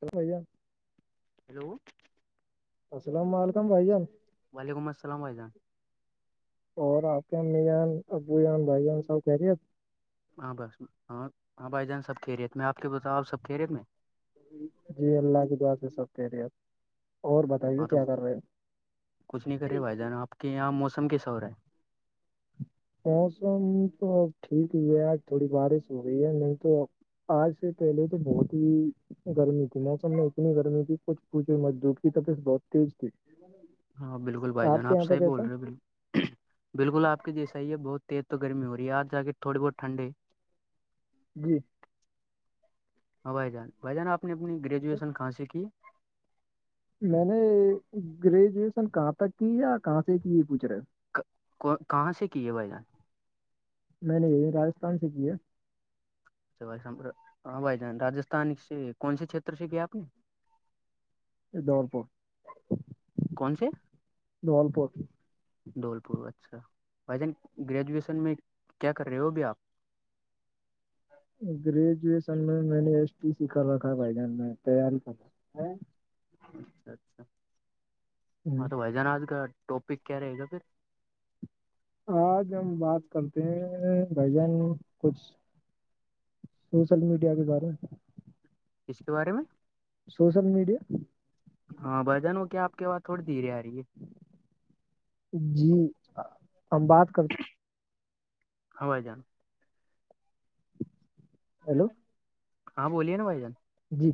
تو بھیا ہیلو السلام علیکم بھائی جان وعلیکم السلام اور آپ کے امی جان ابو جان بھائی جان سب کہہ رہی آپ ہاں بس ہاں ہاں بھائی جان سب کے ریت میں آپ کے بتاؤ آ سب کہہرییت میں جی اللہ کے دعا سے سب کہہ رہے آپ اور بتائیے ہاں تو کیا کر رہے ہیں کچھ نہیں کر رہے بھائی جان آپ کے یہاں موسم کی سا ہو رہا ہے موسم تو اب ٹھیک ہی ہے آج تھوڑی بارش ہو رہئی ہے نہیں تو آج سے پہلے تو بہت ہی گرمی تھی موسم میں اتنی گرمی تھی کچھ پوچھے مزدور کی تبیت بہت تیز تھی ہاں بالکلھائی آپ جان کے آ یہاں پہ صح بول کیسا رہے ہو بکل بالکل آپ کے جیسا ہی ہے بہت تیز تو گرمی ہو رہی ہے آج جا کے تھوڑی بہت ٹھنڈے ہے جی ہاں بھائی جان بائی جان آپ نے اپنی گریجویشن کہاں سے کی میں نے گریجویشن کہاں تک کی کہاں سے کی یہ پوچھ رہے کہاں سے کی ہے بائی جان میں نے یہی راجستھان سے کی ہے بھ ہاں بھائی جان رجستھان سے کون سے چھیتر سے کیا آپ نے یہ دولپور کون سے دھول پور دھولپور اچھا بھائی جان گریجویشن میں کیا کر رہے ہو ابھی آپ گریجویشن میں میں نے ایس ٹی سیک کر رکھا ہے بھائی جان میں تیاری کر اچھا اچھا ہے ہاں تو بھائی جان آج کا ٹاپک کیا رہے گا پھر [unintelligible] آج ہم بات کرتے ہیں بھ جان کچھ سوشل میڈیا کے بارے ک کے بارے میں سوشل میڈیا [unintelligible] ہاں بھجن وہ کیا آپ کے ب تھوڑی دھیرے آ رہی ہے جی ہم بات کر ہائی جان ہیلو [unintelligible] ہاں بولیے نا بھائی جان جی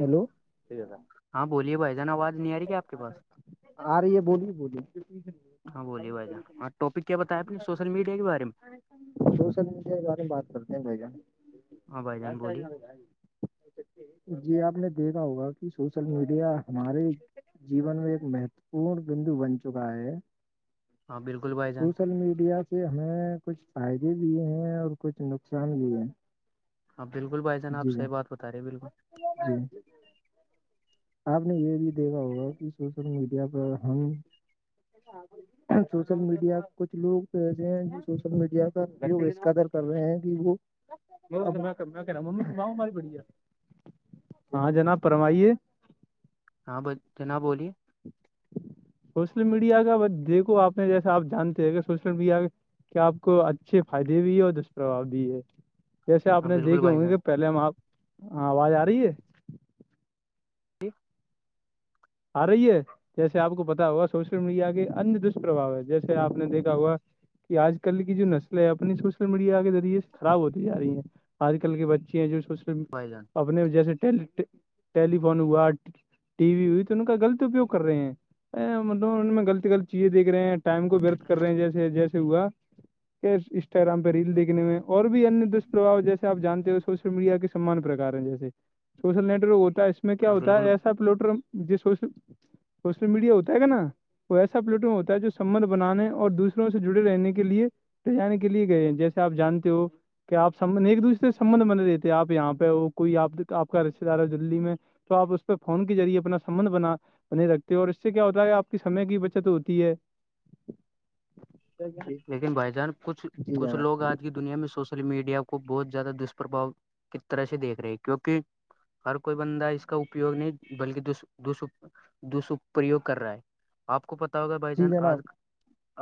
ہیلو رہ ہاں بولیے بھائی جان آواز نہیں آ رہی کیا آپ کے پاس بول ہاں بولیے بھائی جان ہاں ٹاپک کیا بتایا آپ نے سوشل میڈیا کے بارے میں سوشل میڈیا کے بارے میں بات کرتے ہیں ب ہاں بھائی جان بولیے کیا جی آپ نے دیکھا ہوگا کہ سوشل میڈیا ہمارے جیون میں ایک مہتو پورن بندو بن چکا ہے ہاں بالکل بھائی جان سوشل میڈیا ہمیں کچھ فائدے بھی ہیں اور کچھ نقصان بھی ہے اب بالکل بھائی جان آ صحی بات بتا رہے ہیں بالکل جی [unintelligible] آپ نے یہ بھی دیکھا ہوگا کہ سوشل میڈیا پر ہم سوشل میڈیا کچھ لوگ ایسے ہیں جو سوشل میڈیا کاوگ اس قدر کر رہے ہیں کہ وہ کہ رہا ہوں ممی ماں ہماری بڑی ہے ہاں جناب پرمائیے ہاں ب جناب بولیے سوشل میڈیا کا بس دیکھو آپ نے جیسا آپ جانتے ہیں کہ سوشل میڈیا کیا آپ کو اچھے فائدے بھی ہے اور دشپرباؤ بھی ہے جسے آپ ہاں نے بالکل دیکھے بھائی ہوں گے جان کہ پہلے ہم آپ آواز آ رہی ہے جی آ رہی ہے جیسے آپ کو پتا ہوا سوشل میڈیا کے انیہ دشپربھو ہے جیسے آپ نے دیکھا ہوا کہ آج کل کی جو نسلیں اپنی سوشل میڈیا کے ذریعے سے خراب ہوتی جا رہی ہیں آج کل کے بچے ہیں جو سو بھائی جان اپنے جیسے ٹیلیفون ہوا ٹی وی ہوئی ان کا غط اپیگ کر رہے ہیں مطلب ان میں غلط غلط چیزیں دیکھ رہ ہیں ٹائم کو ورت کر رہے ہیں جیسے جیسے ہوا انسٹاگرام پہ ریل دیکنے میں اور بھی ان دشپرھو جیسے آپ جانتے ہو میڈیا کے سمان پرکار ہیں جیسے سوشل نیٹ ورک ہوتا ہے اس میں کیا ہاں ہوتا بالکل ہے ایسا پلوٹر سوشل سوشل میڈیا ہوتا ہے گ نا کو ایسا پلیٹو ہوتا ہے جو سمبھ بنانے اور دوسروں سے جڑے رہنے کے لیے جانے کے لیے گئے ہیں جیسے آپ جانتے ہو کہ آپ سب ایک دوسے سے سبندھ بنے رہتے آپ یہاں پہ وہ کوئی آپ آپ کا رشتے دار ہے دللی میں تو آپ اس پہ فون کے ریعے اپنا سمبھ بنا بنے رکھتے ہیں اور اس سے کیا ہوتا ہے آپ کی سمے کی بچت ہوتی ہے جی لیکن بھائی جان کچھ جی کچھ جناب لوگ آج کی دنیا میں سوشل میڈیا کو بہت زیادہ دشپربھا کی طرح سے دیکھ رہے ہیں کیونکہ ہر کوئی بندہ اس کا اپیوگ نہیں بلکہ دسپرریوگ کر رہا ہے آپ کو پتا ہوگا بھائی جی جان جناب آج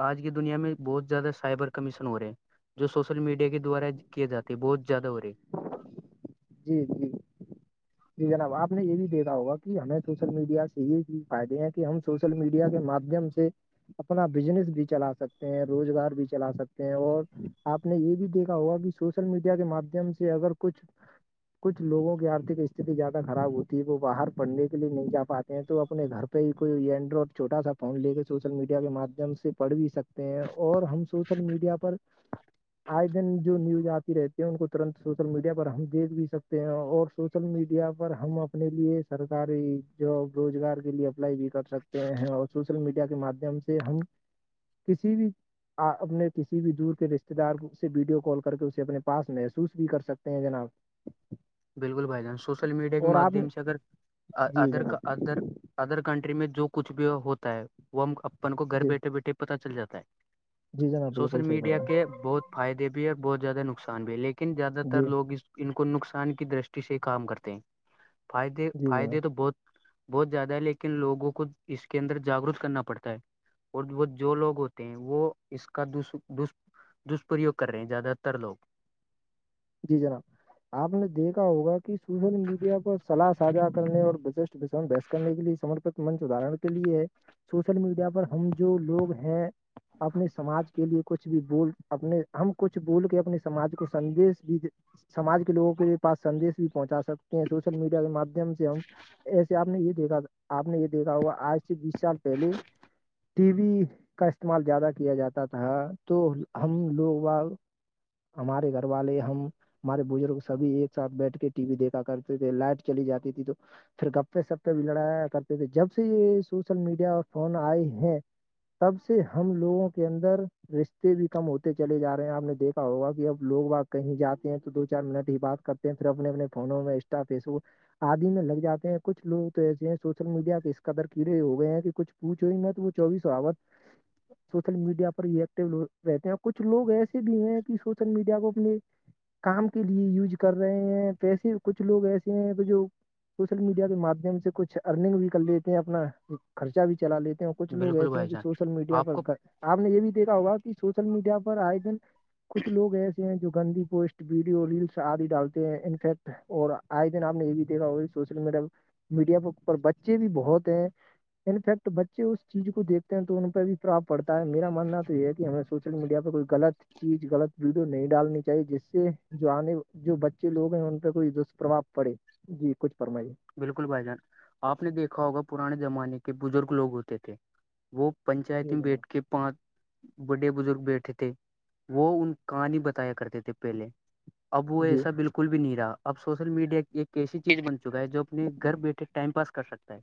آج کی دنیا میں بہت زیادہ سائبر کمیشن ہو رہے ہیں جو سوشل میڈیا کے دوارا کیے جاتے بہت زیادہ ہو رہی ہے جی جی جناب آپ نے یہ بھی دیکھا ہوگا کہ ہمیں سوشل میڈیا سے یہیز فائدے ہیں کہ ہم سوشل سوشل میڈیا کے مادھیم سے اپنا بزنس بھی چلا سکتے ہیں روزگار بھی چلا سکتے ہیں اور آپ نے یہ بھی دیکھا ہوگا کہ سوشل میڈیا کے مادھیم سے اگر کچھ کچھ لوگوں کی آرتک استھتی زیادہ خراب ہوتی ہے وہ باہر پڑھنے کے لیے نہیں جا پاتے ہیں تو اپنے گھر کوئی اینڈرائڈ چھوٹا سا فون لے سوشل میڈیا کے مادھیم سے پڑھ بھی سکتے ہیں اور ہم سوچ سوشل میڈیا پر آئے دن جو نیوز آتی رہتی ہے ان کو ترنت سوشل میڈیا پر ہم دھ بھی سکتے ہیں اور سوشل میڈیا پر ہم اپنے لیے سرکاری جاب روزگار کے لیے اپلائی بھی کر سکتے سکتے ہیں اور سوشل میڈیا کے مادھیم سے ہم کسی بھی آپ اپنے کسی بھی دور کے رشتے دار اس سے ویڈیو کال کر کے اسے اپنے پاس محسوس بھی کر سکتے ہیں جناب بالکل بھائی جان سوشل میڈیا کے اور آپ نے مادھیم سے اگر جی ادر کا جناب ادر ادر کنٹری میں جو کچھ بھی ہوتا ہے وہ اپن کو گھر جی بیٹھے بیٹھے پتا چل جاتا ہے جی جناب سوشل بالکل صحیح میڈیا بول کے بہت فائدے بھی اور بہت زیادہ نقصان بھی ہے لیکن زیادہ تر جی لوگ اس ان کو نقصان کی درشٹی سے کام کرتے ہیں فائدے جی جناب فائدے تو بہت بہت زیادہ ہے لیکن لوگوں کو اس کے اندر جاگروک کرنا پڑتا ہے اور وہ جو لوگ ہوتے ہیں وہ اس کا دشپرریوگ کر رہے ہیں زیادہ تر لوگ جی جناب آپ نے دیکھا ہوگا کہ سوشل میڈیا پر سلاح سجا کرنے اور بزشٹ بحث کرنے کے لیے سمرپت منچ ادارن کے لیے ہے سوشل میڈیا پر ہم جو لوگ ہیں اپنے سماج کے لیے کچھ بھی بول اپنے ہم کچھ بول کے اپنے سماج کو سندیش ساج کے لوگوں کے پس سندش بھی پہنچا سکتے ہیں سوشل میڈیا کے مم سے ہم ایسے آپ نے یہ دیکھا آپ نے یہ دیکھا ہوا آج سے بیس سال پہلے ٹی وی کا استعمال زیادہ کیا جاتا تھا تو ہم لوگ ہمارے گھر والے ہیں ہم ہمارے بزرگ سبھی ایک ساتھ بیٹھ کے ٹی وی دیکھا کرتے تھے لائٹ چلی جاتی تھی تو پھر گپے سپ پے بھی لڑایا کرتے تھے جب سے یہ سوشل میڈیا اور فون آئے ہیں تب سے ہم لوگوں کے اندر رشتے بھی کم ہوتے چلے جا رہے ہیں آپ نے دیکھا ہوگا کہ اب لوگ کہیں جاتے ہیں تو دو چار منٹ ہی بات کرتے ہیں پھر اپنے اپنے فونوں میں انسٹا فیس بک آدی میں لگ جاتے ہیں کچھ لوگ تو ایسے ہیں سوشل میڈیا پہ اس قدر کیڑے ہو گئے ہیں کہ کچھ چئی نہت وہ چوس آت سوشل میڈیا پر ہی ایکٹیو رہتے ہیں اور کچھ لوگ ایسے بھی ہیں کہ سوشل میڈیا کو اپنے کام کے لیے یوز کر رہے ہیں پیسے کچھ لوگ ایسے ہیں کہ جو سوشل میڈیا کے مادھیم سے کچھ ارننگ بھی کر لیتے ہیں اپنا خرچہ بھی چلا لیتے ہیں اور کچھ لوگ بالکل ایسے ہیں بھائی کہ جان سوشل میڈیا آپ پر کو آپ نے یہ بھی دیکھا ہوگا کہ سوشل میڈیا پر آئے دن کچھ لوگ ایسے ہیں جو گندی پوسٹ ویڈیو ریلس آدی ڈالتے ہیں انفیکٹ اور آئے دن آپ نے یہ بھی دیکھا ہو سوشل میڈیا میڈیا پر بچے بھی بہت ہیں انفیکٹ بچے اس چیز کو دیکھتے ہیں تو ان پہ بھی پراب پڑتا ہے میرا ماننا تو یہ ہے کہ ہمیں سوشل میڈیا پہ کوئی غلط چیز غلط ویڈیو نہیں ڈالنی چ چاہے جس سے جو آنے جو بچے لوگ ہیں ان پہ کوئی دشپربھؤ پڑے جی کچھ فرمائیے بالکل بھائی جان آپ نے دیکھا ہوگا پرانے زمانے کے بزرگ لوگ ہوتے تھے وہ پنچایت جی میں جناب بیٹھ کے پانچ بڑے بزرگ بیٹھے تھے وہ ان کہانی بتایا کرتے تھے پہلے اب وہ جی ایسا بالکل بھی نہیں رہا اب سوشل میڈیا ایک کیسی چیز بنتی چکا ہے جو اپنے گھر بیٹھے ٹائم پاس کر سکتا ہے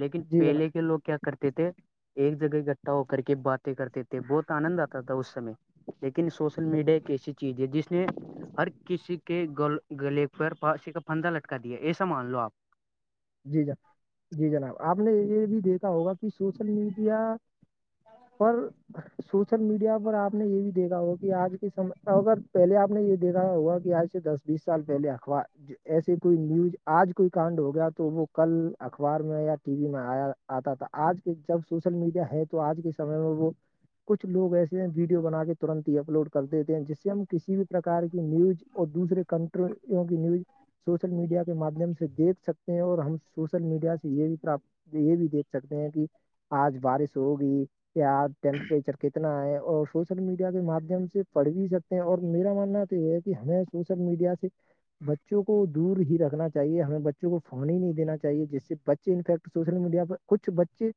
لیکن جی پہلے کے لوگ کیا کرتے تھے ایک جگہ اکٹھا ہو کر کے باتیں کرتے تھے بہت آنند آتا تھا اس سمے لیکن سوشل جناب میڈیا ایک ایسی چیز ہے جس نے ہر کسی کے گ گلے پر پسی کا پھندا لٹکا دیا ایسا مان لو آپ جی جناب جی جناب آپ نے یہ بھی دیکھا ہوگا کہ سوشل میڈیا پر سوشل میڈیا پر آپ نے یہ بھی دیکھا ہوگا کہ آج کے سم اگر پہلے آپ نے یہ دیکھا ہوا کہ آج دس بیس سال پہلے اخبار ایسے کوئی نیوز آج کوئی کاانڈ ہو گیا تو تو وہ کل اخبار میں یا ٹی وی میں آیا آتا تھا آج کے جب سوشل میڈیا ہے تو آج کے س میں ببو کچھ لوگ ایسے ہیں ویڈیو بنا کے ترنت ہی اپلوڈ کر دیتے ہیں جس سے ہم کسی بھی پرکار کی نیوز اور دوسرے کنٹرولوں کی نیوز سوشل میڈیا کے مادھیم سے دیکھ سکتے اور ہم سوشل میڈیا سے یہ بھی پراپ یہ بھی دیکھ سکتے ہیں کہ آج بارش ہوگی یا ٹیمپریچر کتنا ہے اور سو سوشل میڈیا کے ماددھیم سے پڑھ بھی سکتے ہیں اور میرا ماننا تو یہ ہے کہ ہمیں سوشل میڈیا سے بچوں کو دور ہی رکھنا چاہیے ہمیں کو فون ہی نہیں دین چاہیے جس سے بچے انفیکٹ سوشل میڈیا پر کچھ بچے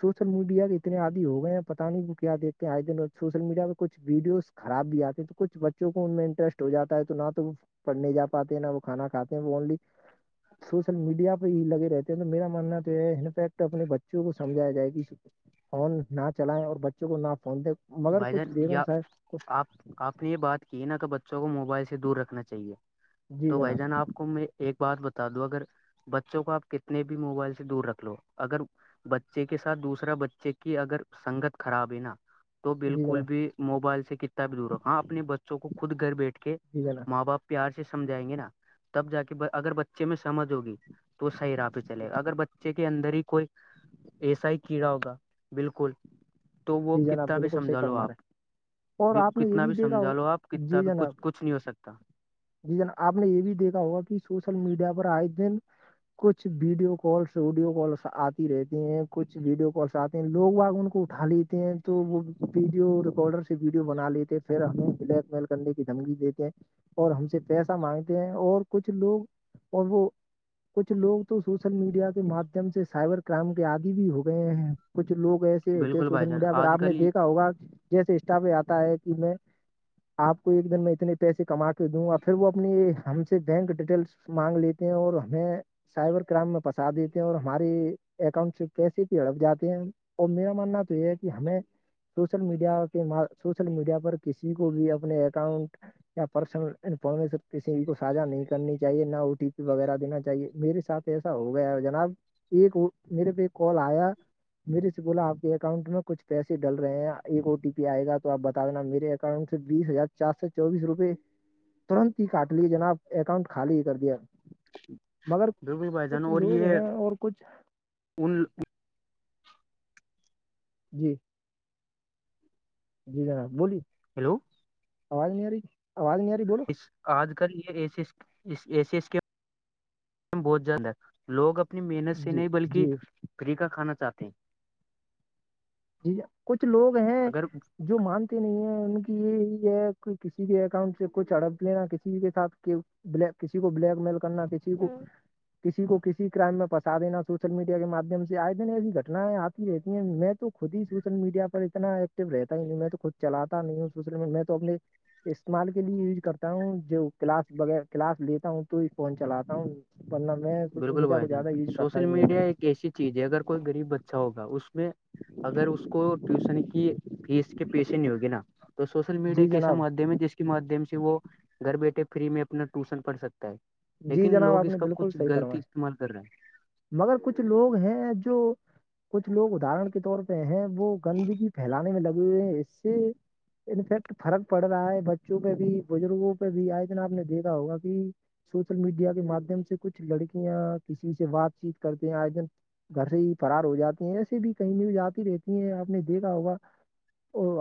سوشل میڈیا کے اتنے آدی ہو گئے ہیں پتا نہیں وہ کیا دیتے ہیں آج دن سوشل میڈیا پہ کچھ ویڈیوز خراب بھی آتے ہیں تو کچھ بچوں کو ان میں انٹرسٹ ہو جاتا ہے تو نہ تو پڑھنے جا پاتے ہیں نہ وہ کھانا کاتے ہیں وہ اونلی سوشل میڈیا پہ ہی لگے رہتے ہیں تو میرا ماننا تو یہ ہے انفیکٹ اپنے بچوں کو سمجایا جائے گی اس فون نہ چلائیں اور بچوں کو نہ فون دے بھائی جان یا آپ آپ نے یہ بات کی ہے نا کہ بچوں کو موبائل سے دور رکھنا چاہیے جی تو بھائی جناب جان آپ کو میں ایک بات بتا دوں اگر بچوں کو آپ کتنے بھی موبائل سے دور رکھ لو اگر بچے کے ساتھ دوسرا بچے کی اگر سنگت خراب ہے نا تو جی بالکل جناب بھی موبائل سے کتا بھی دور رکھا اپنے بچوں کو خود گھر بیٹھ کے ج ج نا ماں باپ پیار سے سمجھائیں گے نا تب جا کے اگر بچے میں سمجھ ہوگی تو صحیح راہ پہ چلے گا اگر بچے کے اندر ہی کوئی ایسا ہی کیڑا ہوگا بالکل تو وہ جی کت کتنا جناب بھی بالکل صحیح سمجھا لو فرما آپ رہے ہیں اور بھی آپ نے یہ کتنا بھی دیکھا سمجھا لو آپ ہوگا کتنا جی بھی کچھ جناب کچھ نہیں ہو سکتا جی جناب آپ نے یہ بھی دیکھا ہوگا کہ سوشل میڈیا پر آئے دن کچھ ویڈیو کالس آڈیو کالس آتی رہتی ہیں کچھ ویڈیو کالس آتے ہیں لوگ وہگ ان کو اٹھا لیتے ہیں تو وہ ویڈیو ریکارڈر سے ویڈیو بنا لیتے ہیں پھر ہمیں بلیک میل کرنے کی دھمکی دیتے ہیں اور ہم سے پیسہ مانگتے ہیں اور کچھ لوگ اور وہ کچھ لوگ تو سوشل میڈیا کے مادھیم سے سائبر کرائم کے آدی بھی ہو گئے ہیں کچھ لوگ ایسے ہوتے بالکل بھائی سوشل جان میڈیا پر آج آپ نے کل دیکھا ہوگ جیسے اسٹاف یہ آتا ہے کہ میں آپ کو ایک دن میں اتنے پیسے کما دوںا پھر وہ اپنی ہم سے بینک ڈیٹیلس مانگ لیتے ہیں اور ہمیں سائبر کرائم میں پنسا دیتے ہیں اور ہماری اکاؤنٹ سے کیسے پ ہڑپ جاتے ہیں اور میرا ماننا تو یہ ہے کہ ہمیں سوشل میڈیا کے سوشل میڈیا پر کسی کو بھی اپنے اکاؤنٹ یا پرسنل انفارمیشن کسی کو ساھا نہیں کرنی چاہیے نہ او ٹی پی وغیرہ دینا چاہیے میرے ساتھ کیسا ہو گیا جناب ایک میرے پہ ایک کال آیا میرے سے بولا آپ کے اکاؤنٹ میں کچھ پیسے ڈل رہے ہیں ایک او ٹی پی آئے گا تو آپ بتا دینا میرے کم سے بیس ہزار چار سو چوبس روپئے ترنت ہی کاٹ لیے جنا آپ اکاؤنٹ خالی ہی کر دیا مگر بالکل بھائی جان کچھ اور لوگ یہ ہیں اور کچھ ان جی جی جناب بولیے ہیلو آواز نہیںیاری آوازیاری بول آج کل یہ ای ایشس کے بہت جلد ہے لوگ اپنی محنت سے جی نہیں بلکہ جی فریقہ کھانا چاہتے ہیں جی کچھ لوگ ہیں اگر جو مانتے نہیں ہیں ان کی یہی ہے کہ کسی کے اکاؤنٹ سے کوئی چڑپ لینا کسی کے ساتھ بل کسی کو بلیک میل کرنا کسی کو کسی کو کسی کرائم میں پنسا دینا سوشل میڈیا کے مادھیم سے آئے دنے ایسی گٹنائیں آتی رہتی ہیں میں تو خود ہی سوشل میڈیا پر اتنا ایکٹو رہتا ہی نہیں میں تو خود چلات نہیں ہوں سوشل می میں تو اپنے استعمال کے لیے یوز کرتا ہوں جو کلاسغیر کلاس لیتا ہوں تو ہی فون چلاتا ہوں پنام میں سوشل بالکل میڈیا بھائی کو جان زیادہ یوز کرتا سوشل ہی نہیں ہوں میڈیا جناب ایک ایسی چیز ہے اگر کوئی غریب بچہ ہوگا اس میں اگر اس کو ٹیوشن کی فیس کے پیشے نہیں ہوگی نا تو سوشل میڈیا جی کے جناب مادھیم جس مادھیم سے وہ گھر بیٹھے فری میں اپنا ٹوشن پڑھ سکتا ہے جی لیکن جناب لوگ آپ اس نے کا کچھ بالکل صحیح لط ہی فرمایا استعمال کر رہے ہیں مگر کچھ لوگ ہیں جو کچھ لوگ ادرن کے طور پہ ہیں وہ گندگی پھیلانے میں لگے ہوئے ہیں اس سے انفیکٹ فرق پڑ رہا ہے بچوں پہ بھی بزرگوں پہ بھی آئے جن آپ نے دیکھا ہوگا کہ سوشل میڈیا کے مادھیم سے کچھ لڑکیاں کسی سے بات چیت کرتے ہیں آجن گھر سے ہی فرار ہو جاتے ہیں ایسے بھی کہئی نیوز آتی رہتی ہے آپ نے دیکھا ہوگا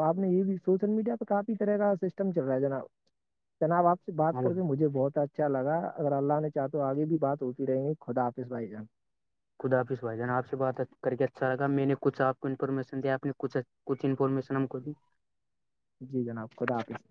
آپ نے یہ بھی سوشل میڈیا پہ کافی طرح کا سسٹم چل رہا ہے جناب جناب آپ سے بات ہاں کرتے مجھے بہت اچھا اچھا لگا اگر اللہ نے چاہ تو آگے بھی بات ہوتی رہیں گی خدافظ بھائی جان خد حافظ بائیان آ سے بات کر کے اچھا لگا میں نے کچ آپ کو انفارمیشن دیا آپ نے کچھ کچھ انفارمیشن ہم کو بھی جی جناب خداپس